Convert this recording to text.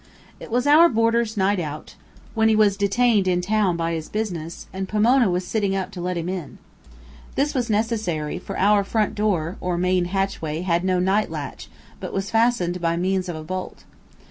It was our boarder's night out (when he was detained in town by his business), and Pomona was sitting up to let him in. This was necessary, for our front door (or main hatchway) had no night latch, but was fastened by means of a bolt.